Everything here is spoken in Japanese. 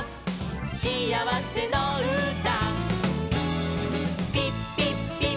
しあわせのうた」